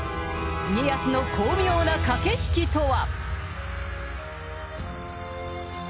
家康の巧妙な駆け引きとは。